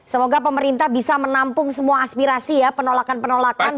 semoga pemerintah bisa menampung semua aspirasi ya penolakan penolakan